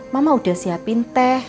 mama udah siapin teh